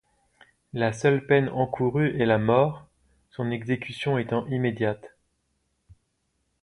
La seule peine encourue est la mort, son exécution étant immédiate.